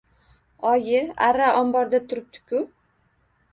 Oyi, arra omborda turibdi-ku